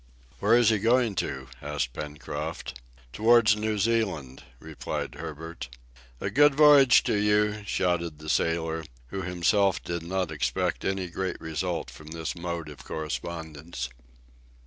"Where is he going to?" asked Pencroft. "Towards New Zealand," replied Herbert. "A good voyage to you," shouted the sailor, who himself did not expect any great result from this mode of correspondence.